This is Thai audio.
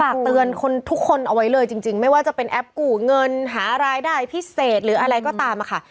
เตือนคนทุกคนเอาไว้เลยจริงไม่ว่าจะเป็นแอปกู้เงินหารายได้พิเศษหรืออะไรก็ตามอะค่ะ